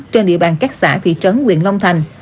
trên địa bàn các xã thị trấn quyện long thành